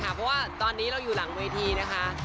เพราะว่าตอนนี้เราอยู่หลังเวทีนะคะ